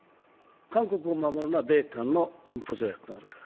韓国を守るのは米韓の安保条約。